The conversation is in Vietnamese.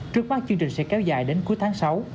trước mắt chương trình sẽ kéo dài đến cuối tháng sáu